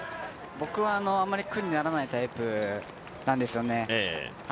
僕はあまり苦にならないタイプなんですよね。